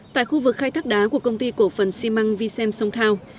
tại khu vực khai thác đá của công ty cổ phần xi măng vinsem song thao